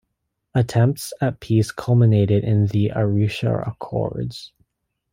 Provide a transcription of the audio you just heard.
Attempts at peace culminated in the Arusha Accords.